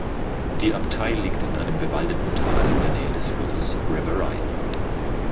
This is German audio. Die Abtei liegt in einem bewaldeten Tal in der Nähe des Flusses River Rye.